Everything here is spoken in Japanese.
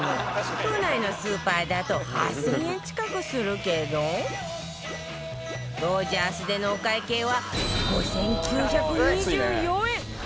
都内のスーパーだと８０００円近くするけどロヂャースでのお会計は５９２４円！